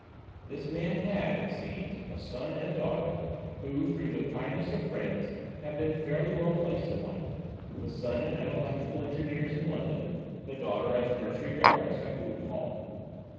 This man had, it seems, a son and a daughter, who, through the kindness of friends, had been fairly well placed in life: the son at an electrical engineers' in London, the daughter as nursery governess at Wootton Hall.